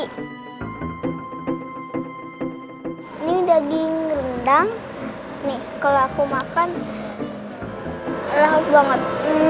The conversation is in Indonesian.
ini daging rendang nih kalo aku makan leher banget